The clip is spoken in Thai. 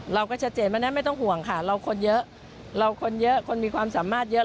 เราก็ชัดเจนเพราะฉะนั้นไม่ต้องห่วงค่ะเราคนเยอะเราคนเยอะคนมีความสามารถเยอะ